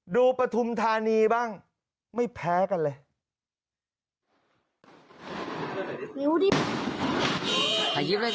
ปฐุมธานีบ้างไม่แพ้กันเลย